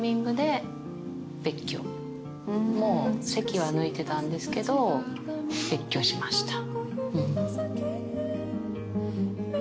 もう籍は抜いてたんですけど別居しました。